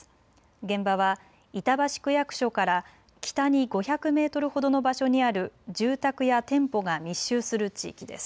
現場は板橋区役所から北に５００メートルほどの場所にある住宅や店舗が密集する地域です。